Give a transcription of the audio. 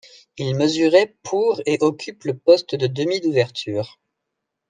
Il mesurait pour et occupe le poste de demi d'ouverture.